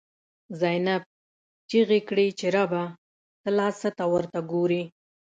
زینب ” چیغی کړی چی ربه، ته لا څه ته ورته ګوری”